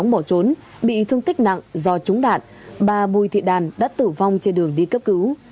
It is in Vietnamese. bỏ trốn bị thương tích nặng do trúng đạn bà bùi thị đàn đã tử vong trên đường đi cấp cứu